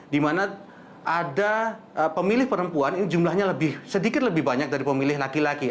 di mana ada pemilih perempuan ini jumlahnya sedikit lebih banyak dari pemilih laki laki